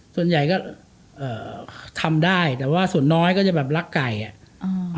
ส่วนใหญ่ก็เอ่อทำได้แต่ว่าส่วนน้อยก็จะแบบรักไก่อ่ะอ่า